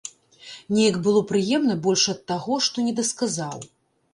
Неяк было прыемна больш ад таго, што не дасказаў.